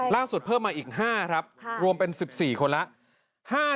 เพิ่มมาอีก๕ครับรวมเป็น๑๔คนแล้ว